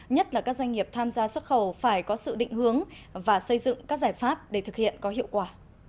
nhất là các doanh nghiệp tham gia xuất khẩu phải có sự định hướng và xây dựng các giải pháp để thực hiện có hiệu quả